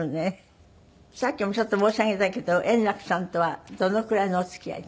さっきもちょっと申し上げたけど円楽さんとはどのくらいのお付き合いで？